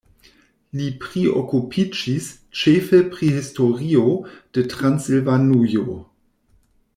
Li priokupiĝis ĉefe pri historio de Transilvanujo.